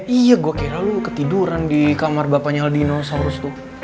iya gua kira lu ketiduran di kamar bapanya al dinosaurus tuh